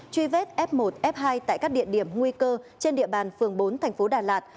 truy vết f một f hai tại các địa điểm nguy cơ trên địa bàn phường bốn thành phố đà lạt